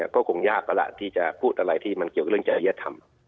ก็คงยากแล้วล่ะที่จะพูดอะไรที่มันเกี่ยวกับเรื่องจริยธรรม